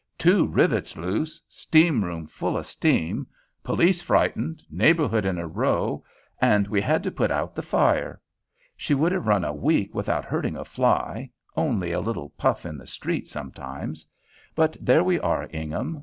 "Two rivets loose, steam room full of steam, police frightened, neighborhood in a row, and we had to put out the fire. She would have run a week without hurting a fly, only a little puff in the street sometimes. But there we are, Ingham.